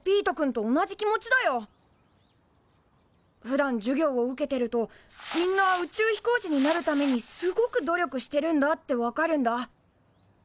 ふだん授業を受けてるとみんな宇宙飛行士になるためにすごく努力してるんだって分かるんだ。